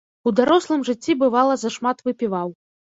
У дарослым жыцці бывала зашмат выпіваў.